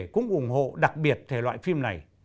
cũng ủng hộ đặc biệt thể loại phim này